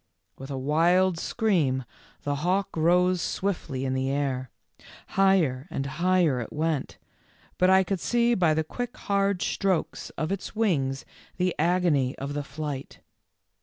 With a wild scream the hawk rose swiftly in the air. Higher and higher it went, but I could see by the quick hard strokes of its wings the agony of the flight.